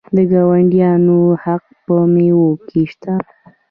د ګاونډیانو حق په میوو کې شته.